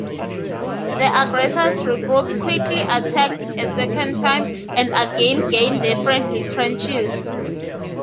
The aggressors regrouped, quickly attacked a second time, and again gained the friendly trenches.